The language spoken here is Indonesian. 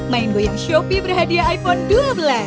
main boeing shopee berhadiah iphone dua belas